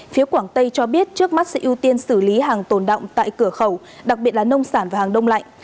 phía quảng tây cho biết trước mắt sẽ ưu tiên xử lý hàng tồn động tại cửa khẩu đặc biệt là nông sản và hàng đông lạnh